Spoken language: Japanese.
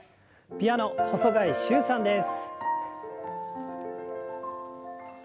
ピアノ細貝柊さんです。